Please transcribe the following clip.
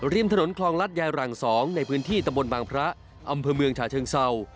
ริมถนนคลองรัฐยายหลัง๒ในพื้นที่ตำบลบางพระอำเภอเมืองฉาเชิงเศร้า